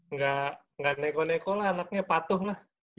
nggak neko neko lah anaknya patuh lah